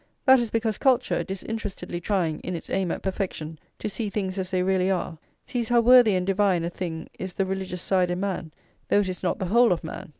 That is because culture, disinterestedly trying, in its aim at perfection, to see things as they really are, sees how worthy and divine a thing is the religious side in man, though it is not the whole of man.